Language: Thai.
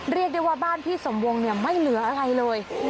เรียกได้ว่าบ้านพี่สมวงเนี่ยไม่เหลืออะไรเลย